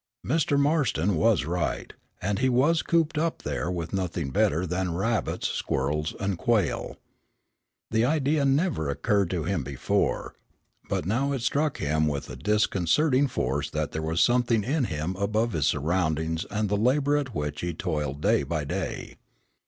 Mr. Marston was right, and he was "cooped up there with nothing better than rabbits, squirrels, and quail." The idea had never occurred to him before, but now it struck him with disconcerting force that there was something in him above his surroundings and the labor at which he toiled day by day.